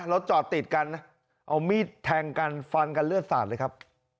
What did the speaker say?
รถจอดติดกันนะเอามีดแทงกันฟันกันเลือดสาดเลยครับ